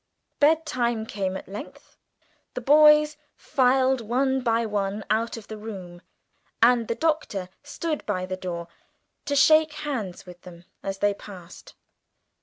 Bedtime came at length. The boys filed, one by one, out of the room, and the Doctor stood by the door to shake hands with them as they passed.